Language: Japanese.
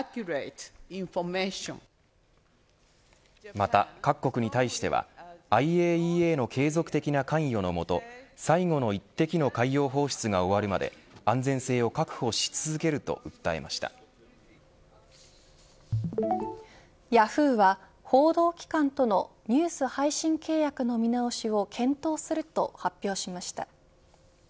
また、各国に対してはＩＡＥＡの継続的な関与の下最後の一滴の海洋放出が終わるまで安全性を確保し続けるとヤフーは、報道機関とのニュース配信契約の見直しを検討すると発表しました。